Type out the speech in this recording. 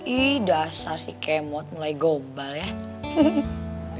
ih dasar si kemot mulai global ya